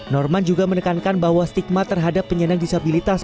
norman juga menekankan bahwa stigma terhadap penyandang disabilitas